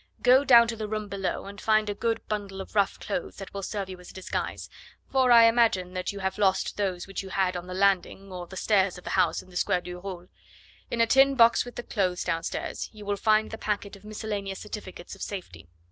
Go down to the room below and find a good bundle of rough clothes that will serve you as a disguise, for I imagine that you have lost those which you had on the landing or the stairs of the house in the Square du Roule. In a tin box with the clothes downstairs you will find the packet of miscellaneous certificates of safety.